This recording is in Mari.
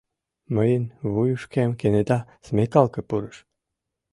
Мыйын вуйышкем кенета смекалке пурыш.